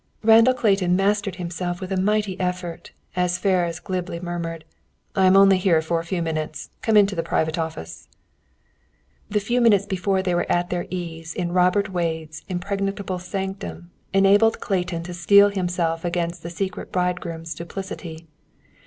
Randall Clayton mastered himself with a mighty effort, as Ferris glibly murmured, "I am only here for a few moments! Come into the private office." The few minutes before they were at their ease in Robert Wade's impregnable sanctum enabled Clayton to steel himself against the secret bridegroom's duplicity.